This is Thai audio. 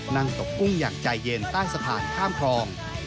นั่งตกกุ้งอย่างใจเย็นใต้สะพานข้ามคลอง